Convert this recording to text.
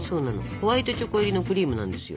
ホワイトチョコ入りのクリームなんですよ。